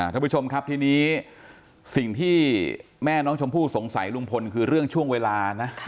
ท่านผู้ชมครับทีนี้สิ่งที่แม่น้องชมพู่สงสัยลุงพลคือเรื่องช่วงเวลานะ